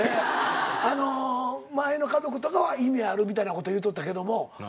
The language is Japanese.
前の家族とかは意味あるみたいなこと言うとったけども。